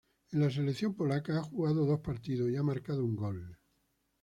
En la selección polaca ha jugado dos partidos y ha marcado un gol.